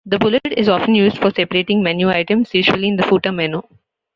The bullet is often used for separating menu items, usually in the footer menu.